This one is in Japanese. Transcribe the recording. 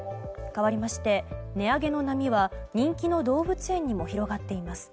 かわりまして値上げの波は人気の動物園にも広がっています。